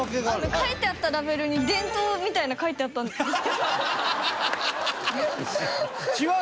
書いてあったラベルに「伝統」みたいの書いてあったんですけど。